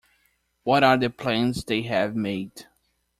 What are the plans they have made?